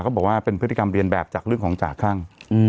บอกว่าเป็นพฤติกรรมเรียนแบบจากเรื่องของจ่าคลั่ง